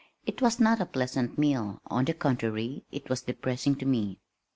It was not a pleasant meal, on the contrary it was depressing to me.